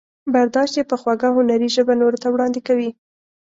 برداشت یې په خوږه هنري ژبه نورو ته وړاندې کوي.